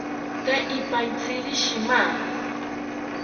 Tee ipaitziri shima